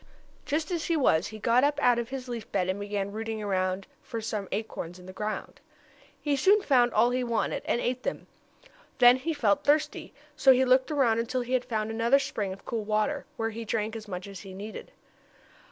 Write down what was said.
Just as he was he got up out of his leaf bed, and began rooting around in the ground for acorns. He soon found all he wanted, and ate them. Then he felt thirsty, so he looked around until he had found another spring of cool water, where he drank as much as he needed.